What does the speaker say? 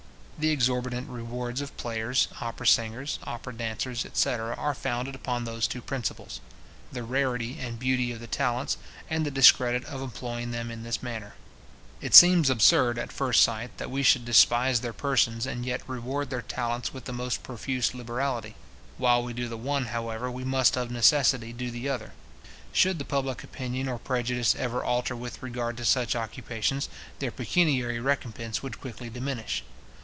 The exorbitant rewards of players, opera singers, opera dancers, etc. are founded upon those two principles; the rarity and beauty of the talents, and the discredit of employing them in this manner. It seems absurd at first sight, that we should despise their persons, and yet reward their talents with the most profuse liberality. While we do the one, however, we must of necessity do the other, Should the public opinion or prejudice ever alter with regard to such occupations, their pecuniary recompence would quickly diminish.